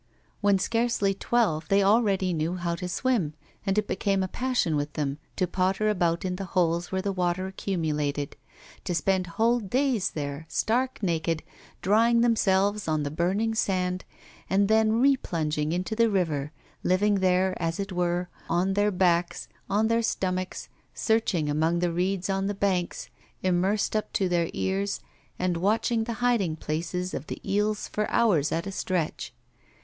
When scarcely twelve they already knew how to swim, and it became a passion with them to potter about in the holes where the water accumulated; to spend whole days there, stark naked, drying themselves on the burning sand, and then replunging into the river, living there as it were, on their backs, on their stomachs, searching among the reeds on the banks, immersed up to their ears, and watching the hiding places of the eels for hours at a stretch.